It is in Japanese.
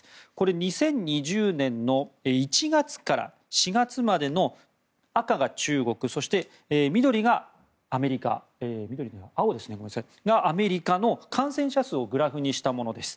２０２０年の１月から４月までの赤が中国そして青がアメリカの感染者数をグラフにしたものです。